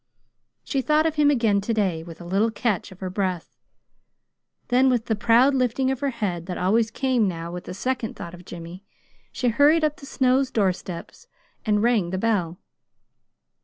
She thought of him again to day, with a little catch of her breath. Then, with the proud lifting of her head that always came now with the second thought of Jimmy, she hurried up the Snows' doorsteps and rang the bell.